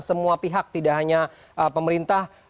semua pihak tidak hanya pemerintah